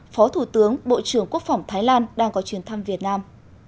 phó thủ tướng bộ trưởng quốc phòng thái lan đang có chuyến thăm việt nam